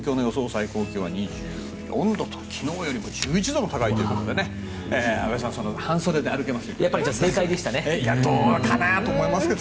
最高気温は２４度と昨日よりも１１度も高いということで安部さん、半袖で歩けますよ。